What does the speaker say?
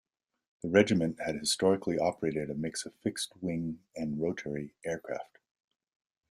The Regiment had historically operated a mix of fixed-wing and rotary aircraft.